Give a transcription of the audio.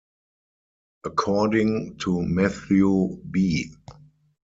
According to Matthew B.